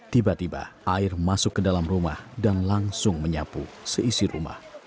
tiba tiba air masuk ke dalam rumah dan langsung menyapu seisi rumah